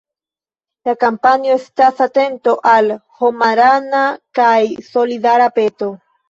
La kampanjo estas atento al homarana kaj solidara peto.